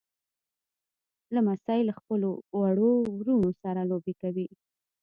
لمسی له خپلو وړو وروڼو سره لوبې کوي.